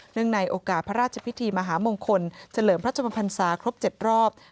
ในโอกาสพระราชพิธีมหามงคลเฉลิมพระชมพันศาครบ๗รอบ